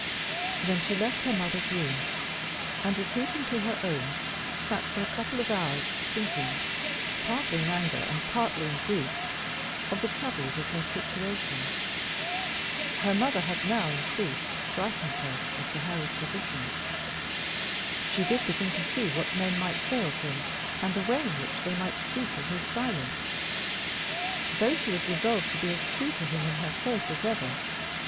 Then she left her mother's room, and, retreating to her own, sat for a couple of hours thinking, partly in anger and partly in grief, of the troubles of her situation. Her mother had now, in truth, frightened her as to Harry's position. She did begin to see what men might say of him, and the way in which they might speak of his silence, though she was resolved to be as true to him in her faith as ever.